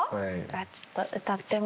ちょっと。